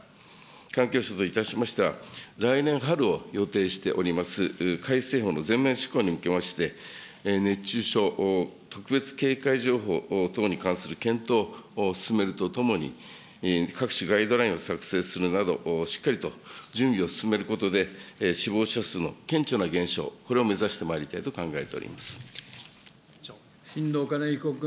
環境省といたしましては、来年春を予定しております、改正法の全面施行に向けまして、熱中症特別警戒情報等に関する検討を進めるとともに、各種ガイドラインを作成するなど、しっかりと準備を進めることで、死亡者数の顕著な減少、これを目指してまいりたいと進藤金日子君。